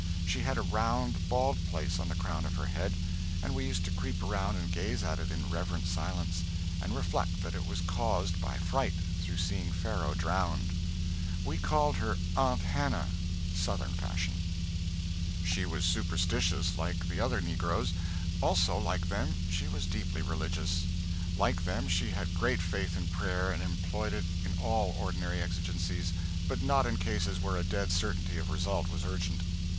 She had a round bald place on the crown of her head, and we used to creep around and gaze at it in reverent silence, and reflect that it was caused by fright through seeing Pharaoh drowned. We called her "Aunt" Hannah, Southern fashion. She was superstitious like the other negroes; also, like them, she was deeply religious. Like them, she had great faith in prayer, and employed it in all ordinary exigencies, but not in cases where a dead certainty of result was urgent.